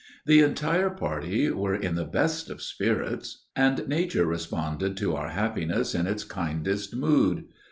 The entire party were in the best of spirits, and nature responded to our happiness in its kindest mood.